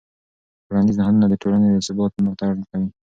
ټولنیز نهادونه د ټولنې د ثبات ملاتړ کوي.